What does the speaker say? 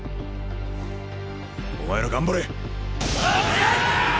お前ら頑張れ！